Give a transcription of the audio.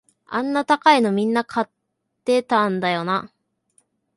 あんな高いのみんな買ってたんだよな